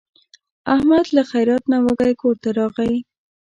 احمد له خیرات نه وږی کورته راغی.